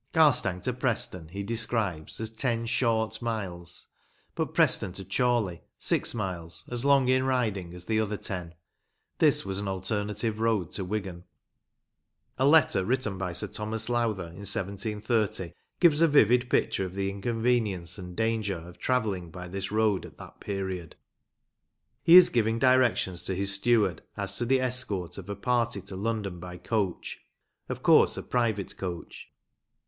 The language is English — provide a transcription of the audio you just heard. Garstang to Preston he describes as ten short miles; but Preston to Chorley, six miles, as long in riding as the other ten. This was an alternative road to Wigan. OLD TIME TRAVEL IN LANCASHIRE 67 A letter written by Sir Thomas Lowther in 1730 gives a vivid picture of the inconvenience and danger of travelling by this road at that period. He is giving directions to his steward as to the escort of a party to London by coach of course, a private coach.